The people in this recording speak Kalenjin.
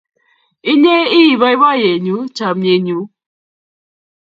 Inye ii boiboiyenyu chamyenyu